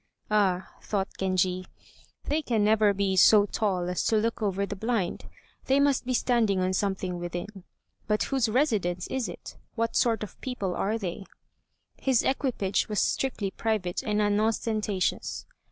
"Ah," thought Genji, "they can never be so tall as to look over the blind. They must be standing on something within. But whose residence is it? What sort of people are they?" His equipage was strictly private and unostentatious.